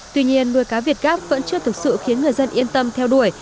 tuy nhiên nuôi cá việt gáp vẫn chưa thực sự khiến người dân yên tâm theo đuổi